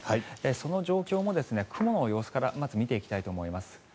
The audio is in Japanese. その状況も雲の様子からまず見ていきたいと思います。